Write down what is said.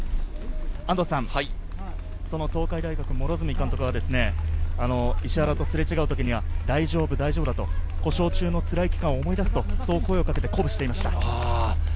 その東海大学・両角監督は石原とすれ違うときに大丈夫、大丈夫だと、故障中のつらい期間を思い出せと声をかけて鼓舞していました。